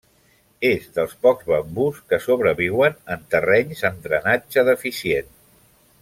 És dels pocs bambús que sobreviuen en terrenys amb drenatge deficient.